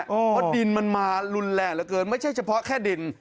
เพราะดินมันมารุนแรงเหลือเกินไม่ใช่เฉพาะแค่ดิน